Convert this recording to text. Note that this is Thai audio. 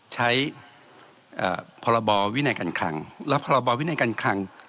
ใช้พรบวินัยการคลังและพรบวินัยการคลัง